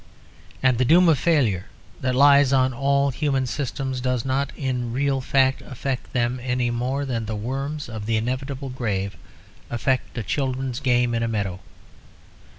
And the doom of failure that lies on all human systems does not in real fact affect them any more than the worms of the inevitable grave affect a children's game in a meadow.